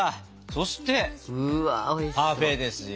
そしてパフェですよ。